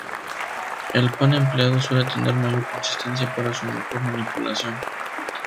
El pan empleado suele tener mayor consistencia para su mejor manipulación.